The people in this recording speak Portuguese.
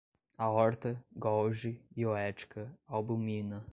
aorta, golgi, bioética, albumina